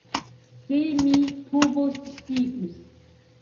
Se mi povoscius!